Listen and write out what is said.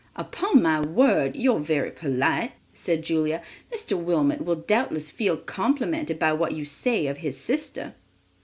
"Upon my word you're very polite," said Julia. "Mr. Wilmot will doubtless feel complimented by what you say of his sister."